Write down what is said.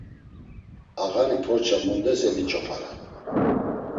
Ağani porça mundes emiç̌opare?